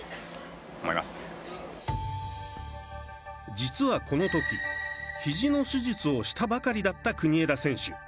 実はこのときひじの手術をしたばかりだった国枝選手。